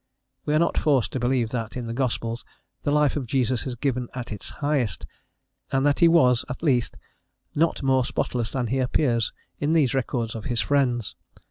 We are not forced to believe that, in the gospels, the life of Jesus is given at its highest, and that he was, at least, not more spotless than he appears in these records of his friends.